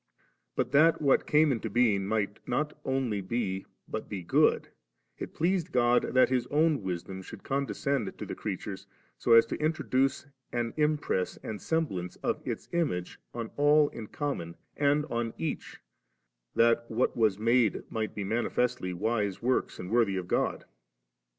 But that what came into being might not only be, but be good 3, it pleased God that His own Wisdom should condescend* to the creatures, so as to introduce an impress and semblance of Its Image on all in common and on each, that what was made might be manifestly wise works and worthy of God 5.